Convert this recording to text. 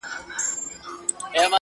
شرنګېدلي د سِتار خوږې نغمې سه-